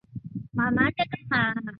株式会社舞滨度假区线的营运管理。